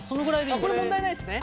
これ問題ないですね？